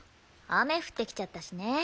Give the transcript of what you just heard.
雨降ってきちゃったしね。